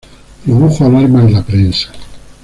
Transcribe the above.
Produjo alarma en la prensa.